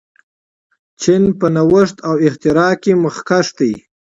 چین په نوښت او اختراع کې مخکښ دی.